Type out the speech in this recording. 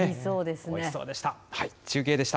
おいしそうでした。